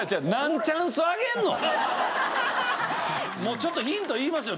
ちょっとヒント言いますよ。